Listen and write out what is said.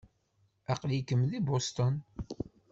Aql-ikem deg Boston.